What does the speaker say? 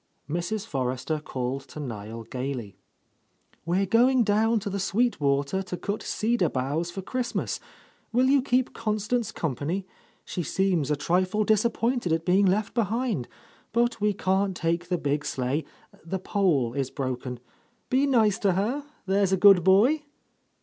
Mrs. Forrester called to Niel gaily. "We are going down to the Sweet Water to cut cedar boughs for Christmas. Will you keep Constance company? She seems a trifle disappointed at being left behind, but we can't take the big sleigh, — the pole is broken. Be nice to .her, there's a good boy!"